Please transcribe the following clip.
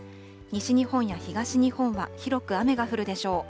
西日本や東日本は広く雨が降るでしょう。